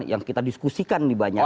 yang kita diskusikan di banyak